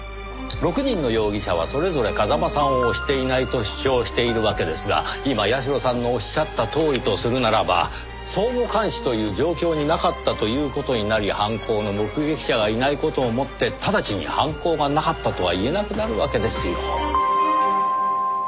６人の容疑者はそれぞれ風間さんを押していないと主張しているわけですが今社さんのおっしゃったとおりとするならば相互監視という状況になかったという事になり犯行の目撃者がいない事をもって直ちに犯行がなかったとは言えなくなるわけですよ。